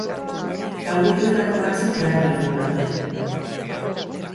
Zaurituetako batzuk larri omen daude.